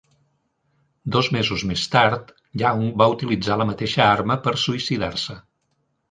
Dos mesos més tard, Young va utilitzar la mateixa arma per suïcidar-se.